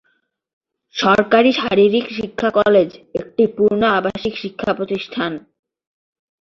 সরকারি শারীরিক শিক্ষা কলেজ একটি পূর্ণ আবাসিক শিক্ষা প্রতিষ্ঠান।